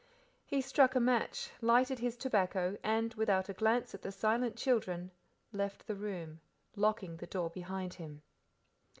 He struck a match, lighted his tobacco, and, without a glance at the silent children, left the room, locking the door behind him.